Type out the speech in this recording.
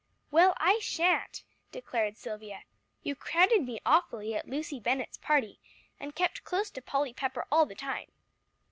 "Well, I sha'n't," declared Silvia. "You crowded me awfully at Lucy Bennett's party, and kept close to Polly Pepper all the time."